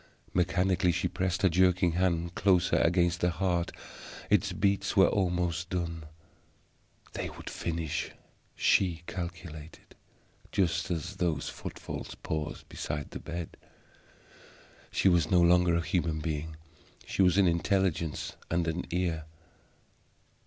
Mechanically she pressed her jerking hand closer against the heart; its beats were almost done. They would finish, she calculated, just as those footfalls paused beside the bed. She was no longer a human being; she was an Intelligence and an EAR.